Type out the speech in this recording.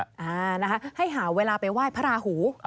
อ่านะคะให้หาเวลาไปไหว้พระราหู